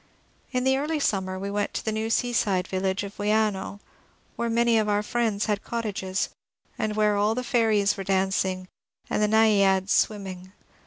In the early summer we went to the new seaside village of Wianno, where many of our friends had cottages, and where all the fairies were dancing, and the naiads swimming.